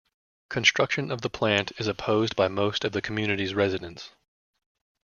Construction of the plant is opposed by most of the community's residents.